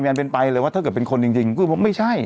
อันเป็นไปเลยว่าถ้าเกิดเป็นคนจริงก็ไม่ใช่